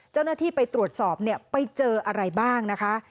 เจ้าหน้าที่ไปตรวจสอบเนี่ยไปเจออะไรบ้างนะคะ